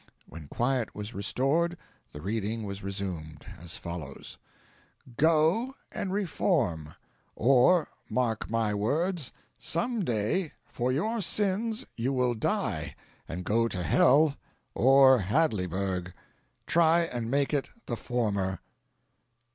When quiet was restored, the reading was resumed as follows: "'GO, AND REFORM OR, MARK MY WORDS SOME DAY, FOR YOUR SINS YOU WILL DIE AND GO TO HELL OR HADLEYBURG TRY AND MAKE IT THE FORMER.'"